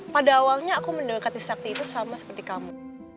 pada awalnya aku mendekati sakti itu sama seperti kamu